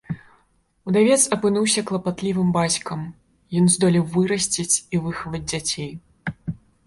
Удавец апынуўся клапатлівым бацькам, ён здолеў вырасціць і выхаваць дзяцей.